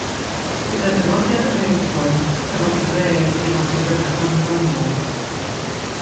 Gyda dyfodiad y rheilffordd, tyfodd y dref i fod yn gyrchfan glan môr.